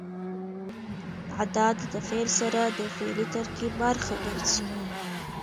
عدد د فعل سره د فعلي ترکیب برخه ګرځي.